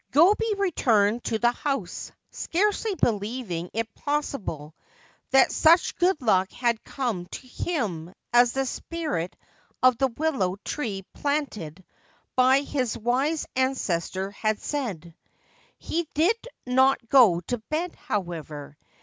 Gobei returned to his house, scarcely believing it possible that such good luck had come to him as the spirit of the willow tree planted by his wise ancestor had said. He did not go to bed, however.